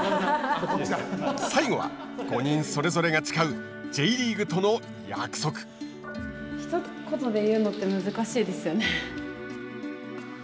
最後は５人それぞれが誓うひと言で言うのって難しいですよね。